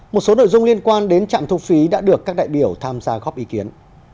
một số nội dung liên quan đến trạm thu phí đã được các đại biểu tham gia góp ý kiến